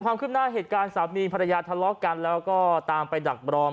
ขึ้นหน้าเหตุการณ์สามีภรรยาทะเลาะกันแล้วก็ตามไปดักรอม